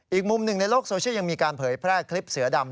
อีกมุมหนึ่งในโลกโซเชียลยังมีการเผยแพร่คลิปเสือดำ